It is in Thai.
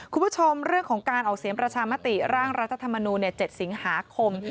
คุณผู้ชมเรื่องของการออกเสียงประชามติร่างรัฐธรรมนูล๗สิงหาคม